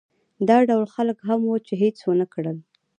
دا ډول خلک هم وو چې هېڅ ونه کړل.